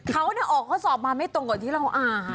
เขาออกเขาสอบมาไม่ตรงกับที่เราอ่าน